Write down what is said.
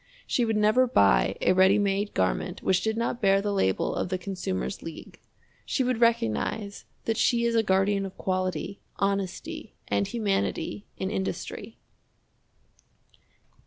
She would never buy a ready made garment which did not bear the label of the Consumer's League. She would recognize that she is a guardian of quality, honesty, and humanity in industry.